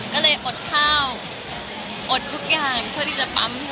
ก็เลยอดข้าวอดทุกอย่างเท่านี้ผมก็จะปั้มใช่ไหม